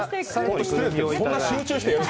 そんな集中する？